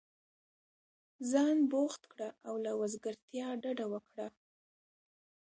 ځان بوخت كړه او له وزګارتیا ډډه وكره!